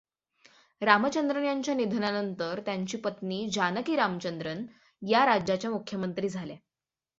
रामचंद्रन यांच्या निधनानंतर त्यांची पत्नी जानकी रामचंद्रन या राज्याच्या मुख्यमंत्री झाल्या.